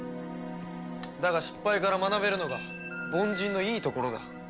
だが失敗から学べるのが凡人のいいところだ。